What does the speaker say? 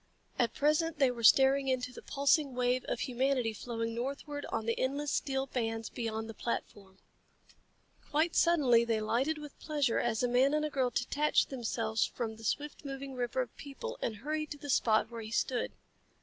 At present they were staring into the pulsing wave of humanity flowing northward on the endless steel bands beyond the platform. Quite suddenly they lighted with pleasure as a man and a girl detached themselves from the swift moving river of people and hurried to the spot where he stood.